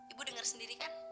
ibu denger sendiri kan